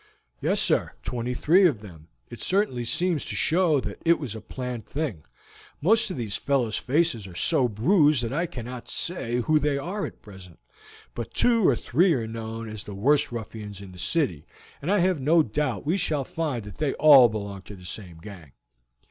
"Yes, sir, twenty three of them; it certainly seems to show that it was a planned thing. Most of these fellows' faces are so bruised that I cannot say who they are at present, but two or three are known as the worst ruffians in the city, and I have no doubt we shall find that they all belong to the same gang."